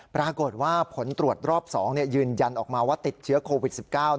ปรากฏว่าผลตรวจรอบ๒ยืนยันออกมาว่าติดเชื้อโควิด๑๙